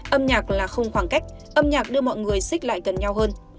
âm nhạc là không khoảng cách âm nhạc đưa mọi người xích lại gần nhau hơn